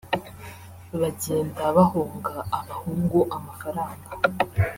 bagenda bahonga abahungu amafaranga